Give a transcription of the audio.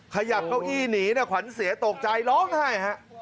ขยับเก้าอี้หนีนะขวัญเสียตกใจร้องไห้ฮะ